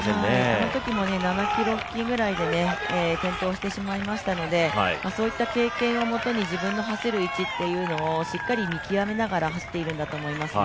あのときも７ｋｍ付近くらいで転倒してしまいましたのでそういった経験をもとに自分の走る位置というのを見極めながら走っているんだと思います。